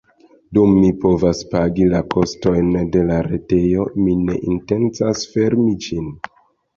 Dum mi povas pagi la kostojn por la retejo mi ne intencas fermi ĝin.